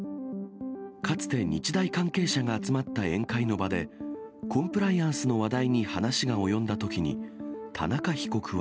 かつて日大関係者が集まった宴会の場で、コンプライアンスの話題に話が及んだときに、田中被告は。